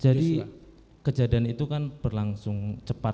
jadi kejadian itu kan berlangsung cepat ya pak